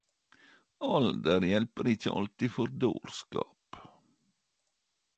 Alder hjelper ikkje alltid for dårskap.